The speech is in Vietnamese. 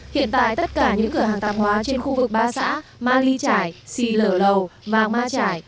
hiện tại tất cả những cửa hàng tạm hóa trên khu vực ba xã ma ly trải si lở lầu vàng ma trải